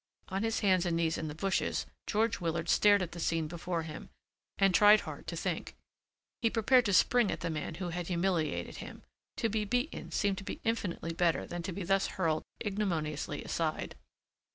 On his hands and knees in the bushes George Willard stared at the scene before him and tried hard to think. He prepared to spring at the man who had humiliated him. To be beaten seemed to be infinitely better than to be thus hurled ignominiously aside.